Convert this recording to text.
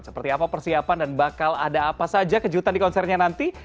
seperti apa persiapan dan bakal ada apa saja kejutan di konsernya nanti